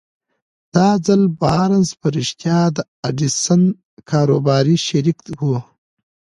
دا ځل بارنس په رښتيا د ايډېسن کاروباري شريک و.